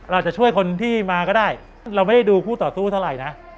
เราจะช่วยคนที่มาก็ได้เราไม่ได้ดูคู่ต่อสู้เท่าไหร่นะ